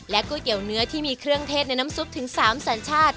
ก๋วยเตี๋ยวเนื้อที่มีเครื่องเทศในน้ำซุปถึง๓สัญชาติ